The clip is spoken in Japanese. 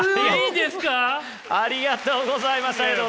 ありがとうございます。